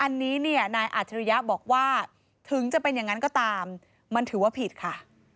อันนี้เนี่ยนายอัจฉริยะบอกว่าถึงจะเป็นอย่างนั้นก็ตามมันถือว่าผิดค่ะ